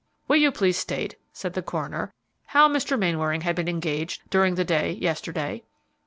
"Will you please state," said the coroner, "how Mr. Mainwaring had been engaged during the day, yesterday."